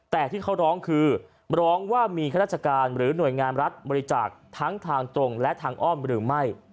แต่ที่เขาร้องคือร้องว่ามีข้าราชการหรือหน่วยงานรัฐบริจาคทั้งทางตรงและทางอ้อมหรือไม่